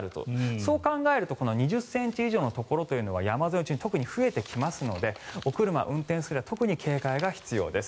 そう考えると２０ｃｍ以上のところは山沿い中心に増えてきますのでお車運転する際は特に警戒が必要です。